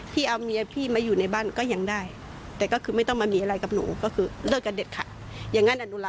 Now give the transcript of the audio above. คือเขาก็เป็นแฟนคนแรกของหนู